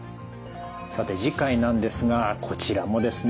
さて次回なんですがこちらもですね